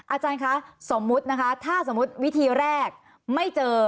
อาจารย์คะสมมุตินะคะถ้าสมมุติวิธีแรกไม่เจอ